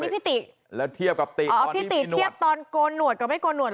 นี่พี่ติแล้วเทียบกับปีออกจริงโดรนตอนโกรธกับไม่โกรธ